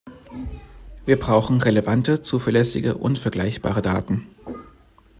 Wir brauchen relevante, zuverlässige und vergleichbare Daten.